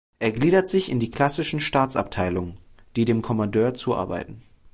Er gliedert sich in die klassischen Stabsabteilungen, die dem Kommandeur zuarbeiten.